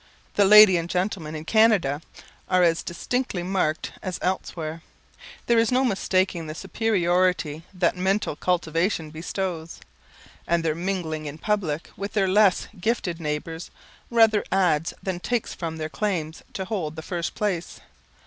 The lady and gentleman in Canada are as distinctly marked as elsewhere. There is no mistaking the superiority that mental cultivation bestows; and their mingling in public with their less gifted neighbours, rather adds than takes from their claims to hold the first place.